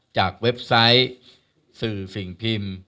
เว็บไซต์สื่อสิ่งพิมพ์